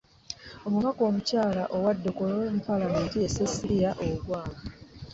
Omubaka omukyala owa Dokolo mu Palamenti, ye Cecilia Ogwal.